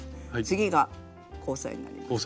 次が交差になります。